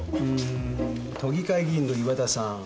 んー都議会議員の岩田さん